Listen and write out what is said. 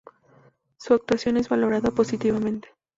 Su actuación es valorada positivamente.